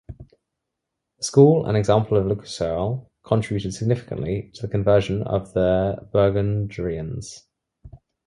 The school and example of Luxeuil contributed significantly to the conversion of the Burgundians.